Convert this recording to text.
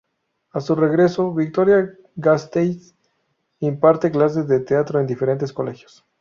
A su regreso a Vitoria-Gasteiz imparte clases de teatro en diferentes colegios.